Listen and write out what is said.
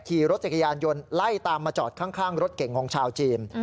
ขี่รถจักรยานยนต์ไล่ตามมาจอดข้างรถเก่งของชาวจีน